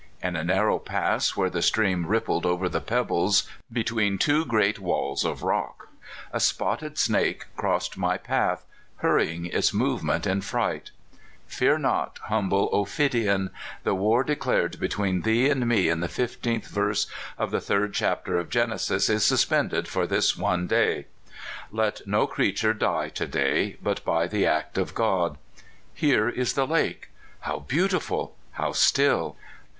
In a narrow pass where the stream rippled over the pebbles between two great walls of rock, a spotted snake crossed my path, hurrying its movement in fright. Fear not, humble ophidian. The war de clared between thee and me in the fifteenth verse of the third chapter of Genesis is suspended for this one day. Let no creature die to day but by the act of God. Here is the lake. How beautiful ! how still